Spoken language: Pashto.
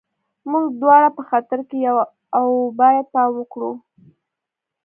موږ دواړه په خطر کې یو او باید پام وکړو